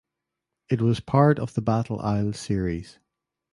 It was part of the "Battle Isle" series.